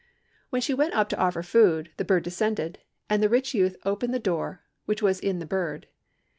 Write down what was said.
When she went up to offer food, the bird descended, and the rich youth opened the door which was in the bird.